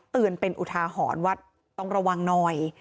เตือนเป็นอุทาหรณ์ว่าต้องระวังหน่อย